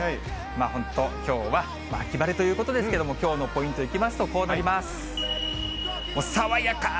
本当、きょうは秋晴れということですけれども、きょうのポイント、いきますと、こうなります。